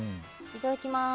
いただきます。